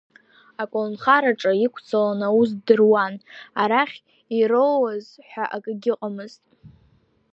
Аколнхараҿы иқәцаланы аус ддыруан, арахь ирауаз ҳәа акгьы ыҟамызт.